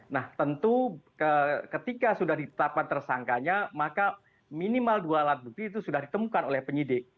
nah tentu ketika sudah ditetapkan tersangkanya maka minimal dua alat bukti itu sudah ditemukan oleh penyidik